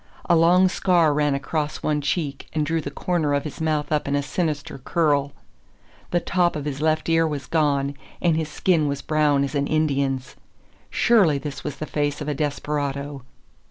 A long scar ran across one cheek and drew the corner of his mouth up in a sinister curl. The top of his left ear was gone, and his skin was brown as an Indian's. Surely this was the face of a desperado.